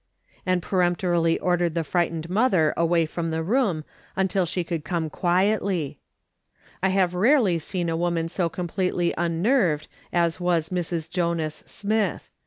and peremptorily ordered the frightened mother away from the room until she could come quietly, I have rarely seen a woman so completely unnerved as was Mrs. Jonas Smith.